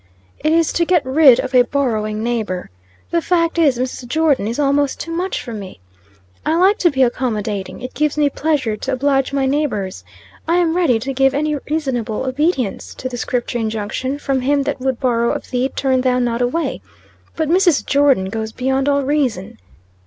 "It is to get rid of a borrowing neighbor. The fact is, Mrs. Jordon is almost too much for me. I like to be accommodating; it gives me pleasure to oblige my neighbors; I am ready to give any reasonable obedience to the Scripture injunction from him that would borrow of thee, turn thou not away; but Mrs. Jordon goes beyond all reason."